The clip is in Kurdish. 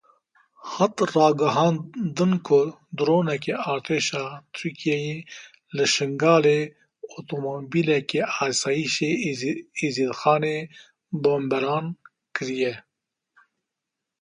Hat ragihandin ku droneke artêşa Tirkiyeyê li Şingalê otomobîleke Asayîşa Êzîdxanê bomberan kiriye.